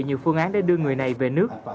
nhiều phương án để đưa người này về nước